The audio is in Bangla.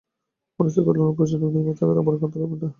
মনস্থির করলেন অপ্রয়োজনীয় বিষয় নিয়ে মাথা ভারাক্রান্ত করবেন না।